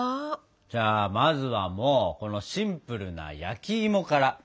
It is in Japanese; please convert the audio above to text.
じゃあまずはもうこのシンプルな焼きいもから。